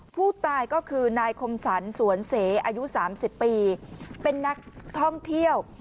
ผู้ตายก็คือนายคมสรรสวนเสอายุ๓๐ปีเป็นนักท่องเที่ยว